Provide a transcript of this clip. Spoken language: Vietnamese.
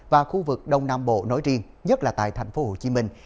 và khu vực đông nam bộ nói riêng nhất là tại thành phố hồ chí minh